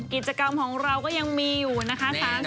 กิจกรรมของเราก็ยังมีอยู่นะคะ